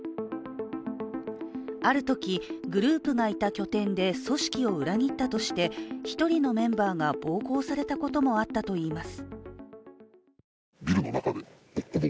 あるとき、グループがいた拠点で組織を裏切ったとして、１人のメンバーば暴行されたこともあったといいます。